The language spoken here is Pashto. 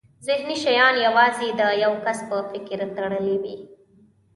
ذهني شیان یوازې د یو کس په فکر تړلي وي.